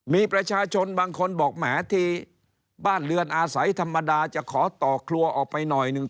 มีประชาชนบางคนบอกแหมที่บ้านเรือนอาศัยธรรมดาจะขอต่อครัวออกไปหน่อยหนึ่ง